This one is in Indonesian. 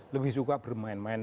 lebih suka bermain main